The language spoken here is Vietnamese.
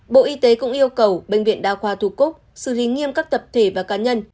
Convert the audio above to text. bộ y tế cũng yêu cầu bệnh viện đa khoa thu cúc xử lý nghiêm các tập thể và cá nhân